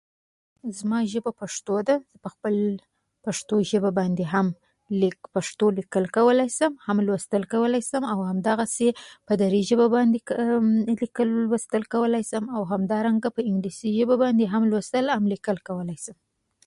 زما ژبه پشتو ده. په خپل پشتو ژبه باندې هم ليکل کولی شم، هم لوستل کولی سم.اوهمدغسي په دري ژبه باندي هم ليکل او لوستل کولی سم، او همدارنګه په انګليسي ژبه باندي هم ليکل او لوستل کولی شم.